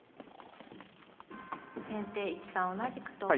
先手１三同じくと金。